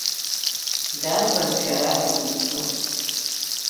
Дарбан шәара ҳәа бызҿу?